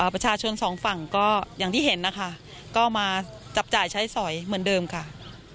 ประชาชนสองฝั่งก็อย่างที่เห็นนะคะก็มาจับจ่ายใช้สอยเหมือนเดิมค่ะ